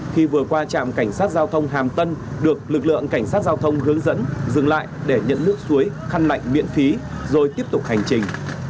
khi vừa qua trạm cảnh sát giao thông hàm tân được lực lượng cảnh sát giao thông hướng dẫn dừng lại để nhận nước suối khăn lạnh miễn phí rồi tiếp tục hành trình